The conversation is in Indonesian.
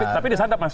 tapi disatap mas